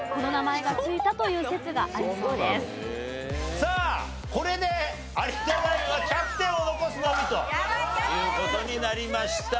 さあこれで有田ナインはキャプテンを残すのみという事になりました。